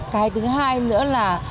cái thứ hai nữa là